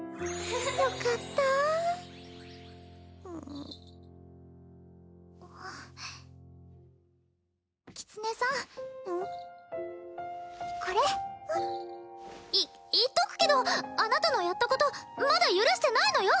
よかったきつねさんこれい言っとくけどあなたのやったことまだ許してないのよ！